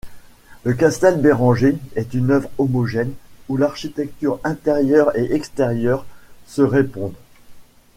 Le Castel Béranger est une œuvre homogène, où l’architecture intérieure et extérieure se répondent.